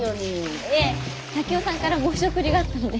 いえ竹雄さんから申し送りがあったので。